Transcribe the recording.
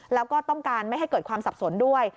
แล้วก็ต้องการไม่ให้เกิดความสับสนด้วย